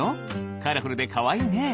カラフルでかわいいね！